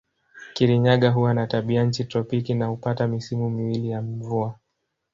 Kirinyaga huwa na tabianchi tropiki na hupata misimu miwili ya mvua.